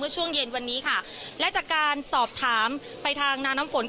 พูดสิทธิ์ข่าวธรรมดาทีวีรายงานสดจากโรงพยาบาลพระนครศรีอยุธยาครับ